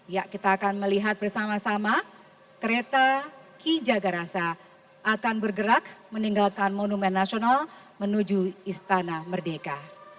ya kita akan melihat bersama sama kereta ki jagarasa akan bergerak meninggalkan monumen nasional menuju istana merdeka